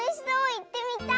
いってみたい！